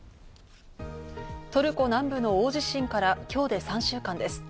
トルコ南部の大地震から今日で３週間です。